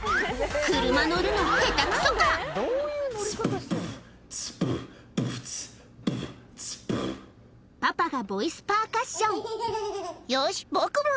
車乗るのヘタくそか⁉パパがボイスパーカッション「よし僕も」